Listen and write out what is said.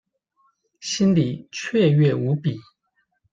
心裡雀躍無比